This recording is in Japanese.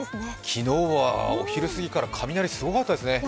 昨日はお昼すぎから雷すごかったですね。